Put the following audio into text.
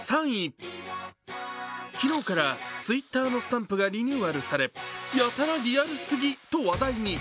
昨日からＴｗｉｔｔｅｒのスタンプがリニューアルされ、やたらリアルすぎと話題に。